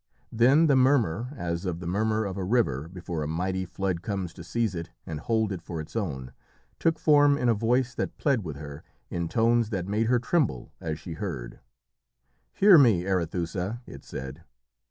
Then the murmur, as of the murmur of a river before a mighty flood comes to seize it and hold it for its own, took form in a voice that pled with her, in tones that made her tremble as she heard. "Hear me, Arethusa!" it said.